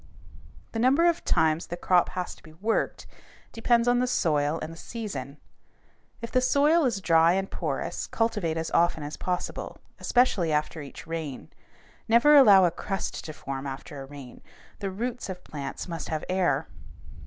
The number of times the crop has to be worked depends on the soil and the season. If the soil is dry and porous, cultivate as often as possible, especially after each rain. Never allow a crust to form after a rain; the roots of plants must have air.